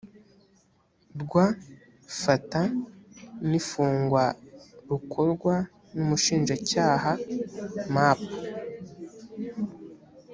rw fata n ifungwa rukorwa n umushinjacyaha map